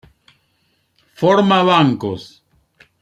Forma bancos.